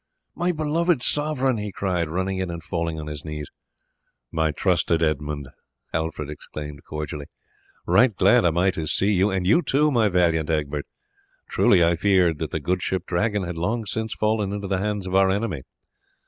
"My beloved sovereign!" he cried, running in and falling on his knees. "My trusted Edmund," Alfred exclaimed cordially, "right glad am I to see you, and you too, my valiant Egbert; truly I feared that the good ship Dragon had long since fallen into the hands of our enemy."